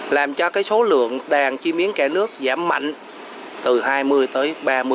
làm cho số lượng đàn chim yến cả nước giảm mạnh từ hai mươi tới ba mươi